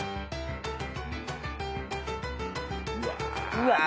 うわ。